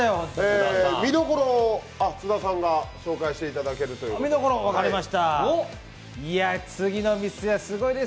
見どころを津田さんが紹介していただけるということで。